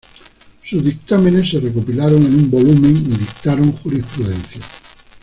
Sus dictámenes se recopilaron en un volumen y dictaron jurisprudencia.